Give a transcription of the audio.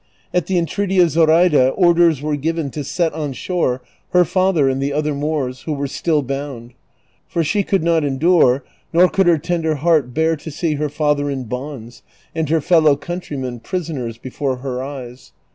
At the entreaty of Zoraida orders wei e given to set on sliore her father and the other Moors who were still bound, for she could not endure, nor could her tender heart bear to see her father in bonds and her fellow countrymen pris oners before her eyes.